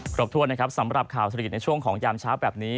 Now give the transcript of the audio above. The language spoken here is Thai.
ครบถ้วนนะครับสำหรับข่าวเศรษฐกิจในช่วงของยามเช้าแบบนี้